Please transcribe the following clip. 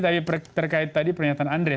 tapi terkait tadi pernyataan andre